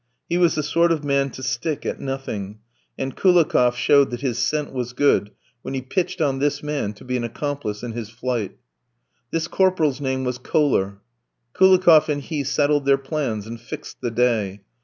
He was the sort of man to stick at nothing, and Koulikoff showed that his scent was good, when he pitched on this man to be an accomplice in his flight. This corporal's name was Kohler. Koulikoff and he settled their plans and fixed the day.